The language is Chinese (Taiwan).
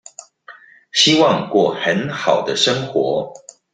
希望過很好的生活